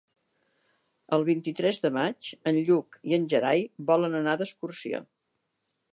El vint-i-tres de maig en Lluc i en Gerai volen anar d'excursió.